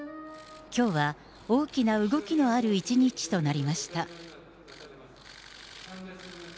きょうは大きな動きのある一日となりました。